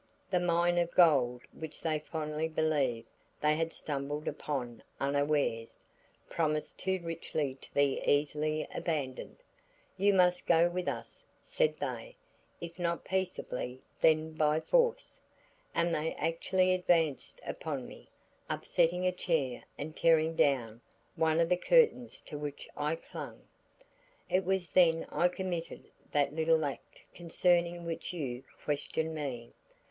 The mine of gold which they fondly believed they had stumbled upon unawares, promised too richly to be easily abandoned. 'You must go with us,' said they, 'if not peaceably then by force,' and they actually advanced upon me, upsetting a chair and tearing down one of the curtains to which I clung. It was then I committed that little act concerning which you questioned me.